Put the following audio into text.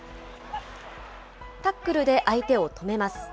タックルで相手を止めます。